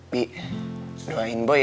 bi doain bu ya